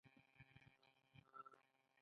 چین د بریالیتوب یوه نمونه ده.